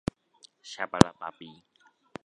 景美溪右岸自行車道